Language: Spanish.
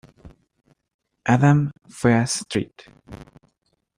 Adam fue a St.